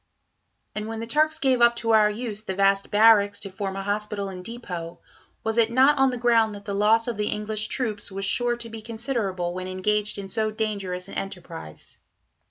And when the Turks gave up to our use the vast barracks to form a hospital and depot, was it not on the ground that the loss of the English troops was sure to be considerable when engaged in so dangerous an enterprise?